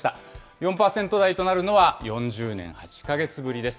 ４％台となるのは、４０年８か月ぶりです。